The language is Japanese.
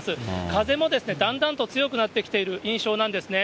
風もだんだんと強くなってきている印象なんですね。